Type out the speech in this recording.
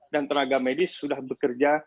dan tenaga medis sudah bekerja